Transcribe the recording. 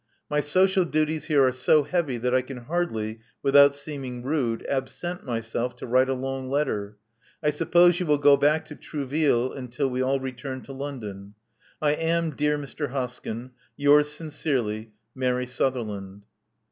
My social duties here are so heavy that I can hardly, without seeming rude, absent myself to write a long letter. I suppose you will go back to Trouville until we all return to London. I am, dear Mr. Hoskjm, Yours sincerely, Mary Sutherland.